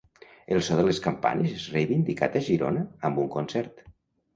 El so de les campanes és reivindicat a Girona amb un concert.